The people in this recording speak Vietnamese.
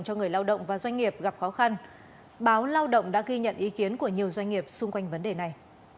cho người lao động và doanh nghiệp gặp khó khăn báo lao động đã ghi nhận ý kiến của nhiều doanh nghiệp xung quanh vấn đề này